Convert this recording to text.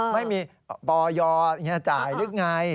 ไม่มีบ่อยอดอย่างนี้จ่ายนึกไง